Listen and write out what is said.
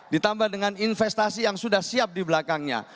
ditambah dengan investasi yang sudah siap di belakangnya